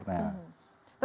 tapi kalau bisa ditelusuri dari